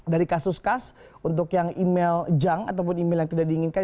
dari kasus kasus untuk yang email jung ataupun email yang tidak diinginkan